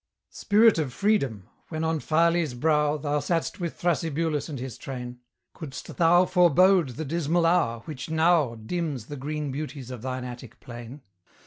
Spirit of Freedom! when on Phyle's brow Thou sat'st with Thrasybulus and his train, Couldst thou forbode the dismal hour which now Dims the green beauties of thine Attic plain?